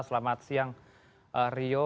selamat siang rio